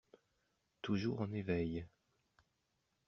Toujours en éveil